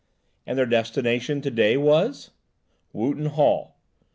"And their destination to day was?" "Wootton Hall."